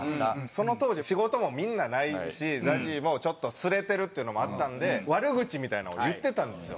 その当時仕事もみんなないしＺＡＺＹもちょっとすれてるっていうのもあったので悪口みたいなのを言ってたんですよ。